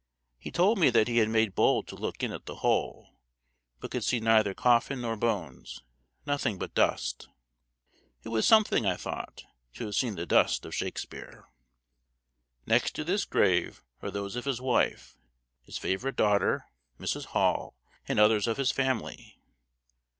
He told me that he had made bold to look in at the hole, but could see neither coffin nor bones nothing but dust. It was something, I thought, to have seen the dust of Shakespeare. Next to this grave are those of his wife, his favorite daughter, Mrs. Hall, and others of his family.